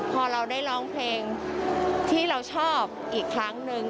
พอเราได้ร้องเพลงที่เราชอบอีกครั้งหนึ่ง